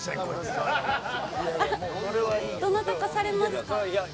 どなたかされますか？